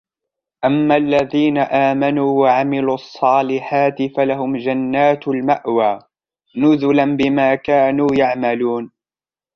أَمَّا الَّذِينَ آمَنُوا وَعَمِلُوا الصَّالِحَاتِ فَلَهُمْ جَنَّاتُ الْمَأْوَى نُزُلًا بِمَا كَانُوا يَعْمَلُونَ